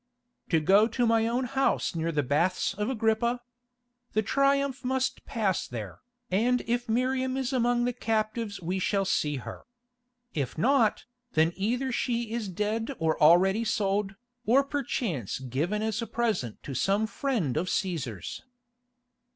"To go to my own house near the Baths of Agrippa. The Triumph must pass there, and if Miriam is among the captives we shall see her. If not, then either she is dead or already sold, or perchance given as a present to some friend of Cæsar's."